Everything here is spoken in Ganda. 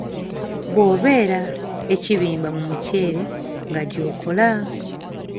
Bw’obeera e kibimba mu muceere nga gyokola.